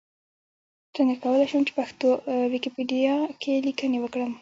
څنګه کولای شم چې پښتو ويکيپېډيا کې ليکنې وکړم؟